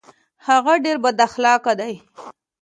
هغه ډیر بد اخلاقه ده